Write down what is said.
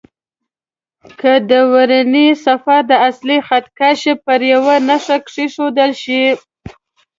که د ورنيې صفر د اصلي خط کش پر یوه نښه کېښودل شي.